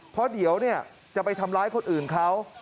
เพราะเดี๋ยวจะไปทำร้ายคนอื่นเขา